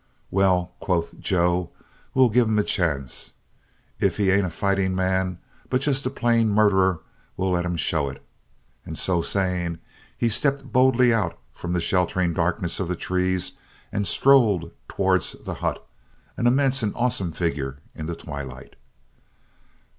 "Well," quoth Joe, "we'll give him a chance. If he ain't a fighting man, but just a plain murderer, we'll let him show it," and so saying, he stepped boldly out from the sheltering darkness of the trees and strode towards the hut, an immense and awesome figure in the twilight.